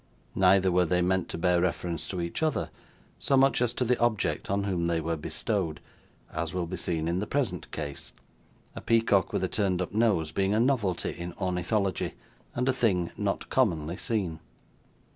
Neither were they meant to bear reference to each other, so much as to the object on whom they were bestowed, as will be seen in the present case: a peacock with a turned up nose being a novelty in ornithology, and a thing not commonly seen.